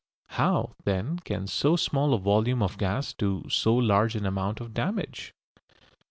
How, then, can so small a volume of gas do so large an amount of damage?